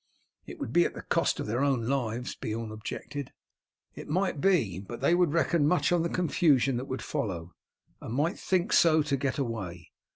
"It would be at the cost of their own lives," Beorn objected. "It might be, but they would reckon much on the confusion that would follow, and might think so to get away.